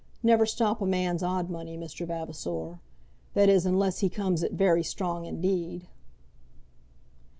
Never stop a man's odd money, Mr. Vavasor; that is, unless he comes it very strong indeed."